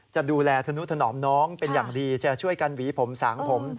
จะดูแลธนุถนอมน้องเป็นอย่างดีจะช่วยกันหวีผมสางผม